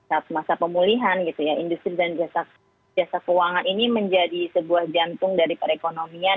saat masa pemulihan gitu ya industri dan jasa keuangan ini menjadi sebuah jantung dari perekonomian